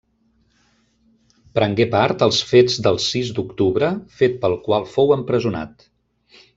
Prengué part als Fets del sis d'octubre, fet pel qual fou empresonat.